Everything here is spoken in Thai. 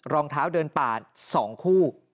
รองเท้าเดินป่า๒คู่